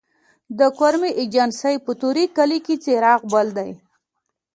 د کرم ایجنسۍ په طوري کلي کې څراغ بل دی